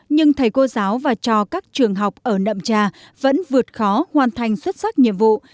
nhưng thầy cô giáo và cho các trường học ở nậm trà vẫn vượt khó hoàn thành xuất sắc nhiệm vụ